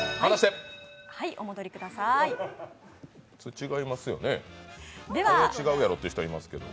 違いますよね、あれは違うやろうという人がいますけど。